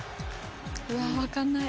わ分かんない。